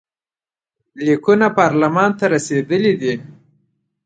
لیکونه پارلمان ته رسېدلي دي.